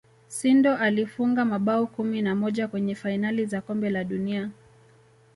sindor alifunga mabao kumi na moja kwenye fainali za kombe la dunia